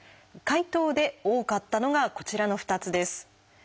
回答で多かったのがこちらの２つです。